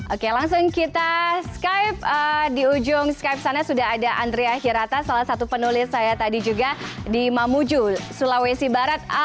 oke langsung kita skype di ujung skype sana sudah ada andrea hirata salah satu penulis saya tadi juga di mamuju sulawesi barat